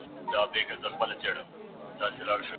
که په پروګرام کې ستونزه وي فایل نه ثبتیږي.